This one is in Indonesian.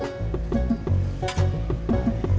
d pistolnya kok kecil kecil gitu